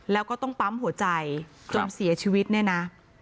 แล้วก็ต้องปั๊มหัวใจจนเสียชีวิตเนี่ยนะ